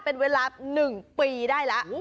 เป็นเวลา๑ปีได้แล้ว